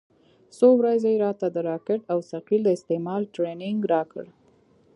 څو ورځې يې راته د راکټ او ثقيل د استعمال ټرېننگ راکړ.